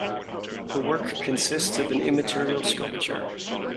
The work consists of an immaterial sculpture.